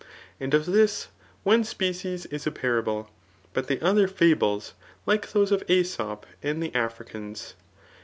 3 And of this, one species is a parable, but the other fables like those of ^sop and the Africans.